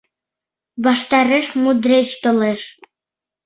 Ваштареш мудреч толеш.